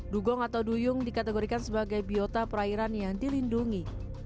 dugong atau duyung dikategorikan sebagai biota perairan yang dilindungi